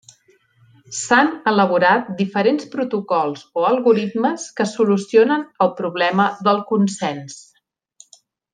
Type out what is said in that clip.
S'han elaborat diferents protocols o algoritmes que solucionen el problema del consens.